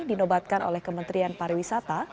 dinobatkan oleh kementerian pariwisata